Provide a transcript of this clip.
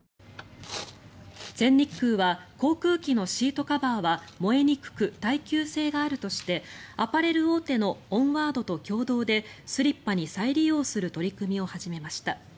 全日空は航空機のシートカバーは燃えにくく耐久性があるとしてアパレル大手のオンワードと共同でスリッパに再利用する取り組みを始めました。